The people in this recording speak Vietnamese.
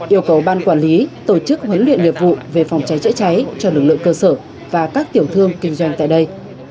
yêu cầu ban quản lý tổ chức huấn luyện nghiệp vụ về phòng cháy chữa cháy cho lực lượng cơ sở và các tiểu thương kinh doanh tại đây